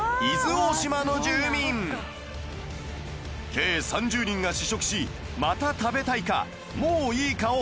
計３０人が試食しまた食べたいかもういいかを判定